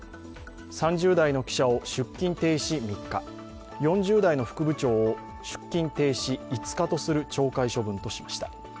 ３０代の記者を出勤停止３日、４０代の副部長を出勤停止５日とする懲戒処分としました。